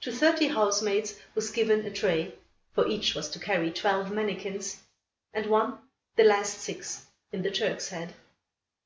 To thirty house maids was given a tray, for each was to carry twelve mannikins, and one the last six, in the Turk's Head.